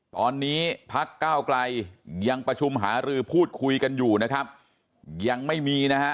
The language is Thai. ตอนนี้พักเก้าไกลยังประชุมหารือพูดคุยกันอยู่นะครับยังไม่มีนะฮะ